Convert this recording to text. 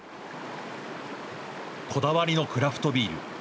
こだわりのクラフトビール。